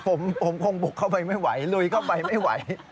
ผมคงบุกเข้าไปไม่ไหวลุยเข้าไปไม่ไหว